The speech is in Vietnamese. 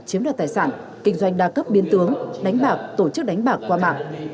chiếm đoạt tài sản kinh doanh đa cấp biên tướng đánh bạc tổ chức đánh bạc qua mạng